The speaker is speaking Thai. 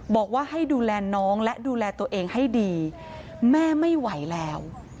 บอกว่าให้ดูแลน้องและดูแลตัวเองให้ดีแม่ไม่ไหวแล้ว